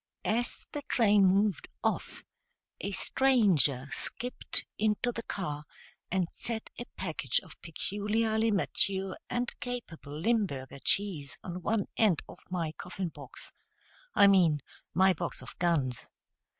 As the train moved off a stranger skipped into the car and set a package of peculiarly mature and capable Limburger cheese on one end of my coffin box I mean my box of guns.